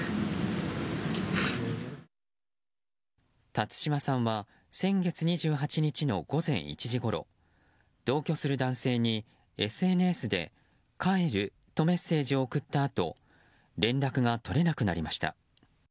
辰島さんは先月２８日の午前１時ごろ同居する男性に、ＳＮＳで帰るとメッセージを送ったあと連絡が取れなくなりました。